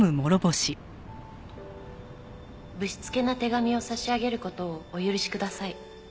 「不躾な手紙を差し上げることをお許しください」